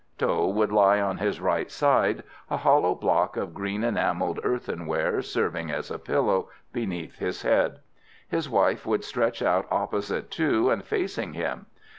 Tho would lie on his right side, a hollow block of green enamelled earthenware, serving as a pillow, beneath his head. His wife would stretch out opposite to and facing him.